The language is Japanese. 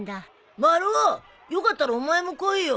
丸尾よかったらお前も来いよ。